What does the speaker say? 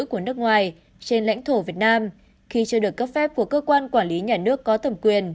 của nước ngoài trên lãnh thổ việt nam khi chưa được cấp phép của cơ quan quản lý nhà nước có thẩm quyền